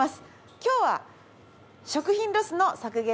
今日は食品ロスの削減です。